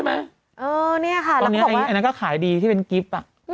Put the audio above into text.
ตอนนี้มันก็ขายดีที่เป็นกิบ